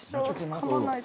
かまないと。